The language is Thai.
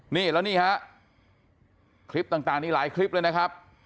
นี่แล้วนี่ฮะคลิปต่างนี่หลายคลิปเลยนะครับ